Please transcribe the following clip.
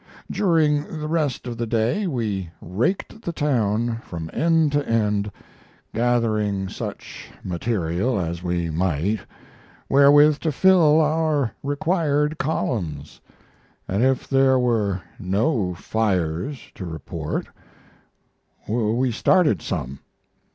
During the rest of the day we raked the town from end to end, gathering such material as we might, wherewith to fill our required columns; and if there were no fires to report, we started some.